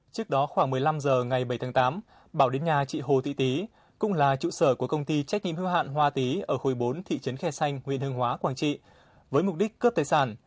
trước đó khoảng một mươi năm h ngày bảy tháng tám bảo đến nhà chị hồ thị tý cũng là trụ sở của công ty trách nhiệm hưu hạn hoa tý ở khối bốn thị trấn khe xanh huyện hương hóa quảng trị với mục đích cướp tài sản